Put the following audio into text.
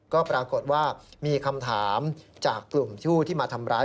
ก็ปรากฏว่ามีคำถามจากกลุ่มผู้ที่มาทำร้าย